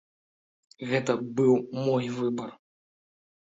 Гэта быў мой выбар.